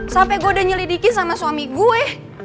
sampai gue udah nyelidiki sama suami gue